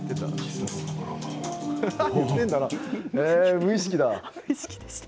無意識だ。